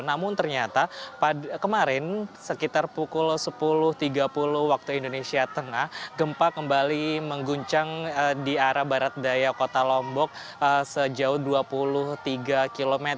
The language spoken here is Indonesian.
namun ternyata kemarin sekitar pukul sepuluh tiga puluh waktu indonesia tengah gempa kembali mengguncang di arah barat daya kota lombok sejauh dua puluh tiga km